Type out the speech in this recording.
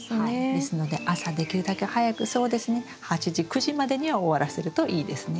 ですので朝できるだけ早くそうですね８時９時までには終わらせるといいですね。